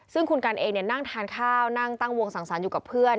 ซึ่งคุณกันเองนั่งทานข้าวนั่งตั้งวงสังสรรค์อยู่กับเพื่อน